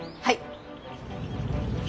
はい！